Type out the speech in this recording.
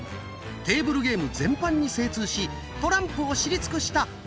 テーブルゲーム全般に精通しトランプを知り尽くした達人！